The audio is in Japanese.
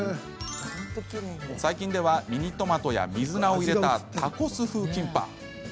最近では、ミニトマトや水菜を入れたタコス風キンパ。